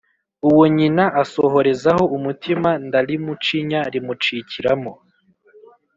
Uwo nyina asohorezaho umutima ndalimucinya rimucikiramo;